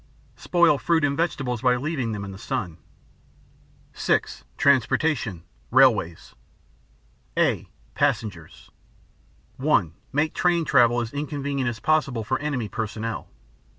Spoil fruit and vegetables by leaving them in the sun. (6) Transportation: Railways (a) Passengers (1.) Make train travel as inconvenient as possible for enemy personnel.